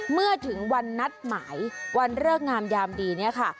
เมื่อถึงวันนัดหมายวันเลิกงามยามดีเนี่ยค่ะ